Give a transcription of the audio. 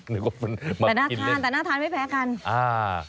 แต่น่าทานแต่น่าทานไม่แพ้กัน